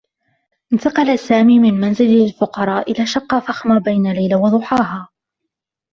انتقل سامي من منزل للفقراء إلى شقّة فخمة بين ليلة و ضحاها.